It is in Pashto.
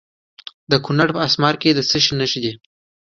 د کونړ په اسمار کې د څه شي نښې دي؟